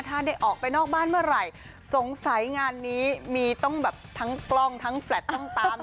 ถ้าได้ออกไปนอกบ้านเมื่อไหร่สงสัยงานนี้มีต้องแบบทั้งกล้องทั้งแฟลตต้องตาม